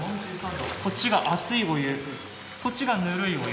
こっちが熱いお湯、こっちがぬるいお湯。